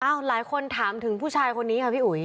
หลายคนถามถึงผู้ชายคนนี้ค่ะพี่อุ๋ย